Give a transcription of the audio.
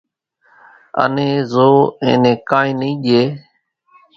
انين زو اين نين ڪانئين نئي ڄي